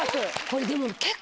これでも。